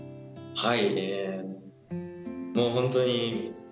はい。